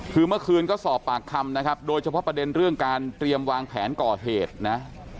คือเมื่อคืนก็สอบปากคำนะครับโดยเฉพาะประเด็นเรื่องการเตรียมวางแผนก่อเหตุนะ